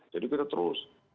jadi kita terus